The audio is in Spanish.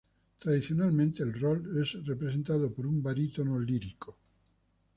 Tradicionalmente, el rol es representado por un barítono lírico.